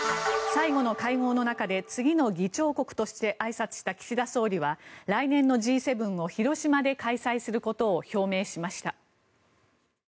最後の会合の中で次の議長国としてあいさつした岸田総理は来年のＧ７を広島で開催することを表明しました。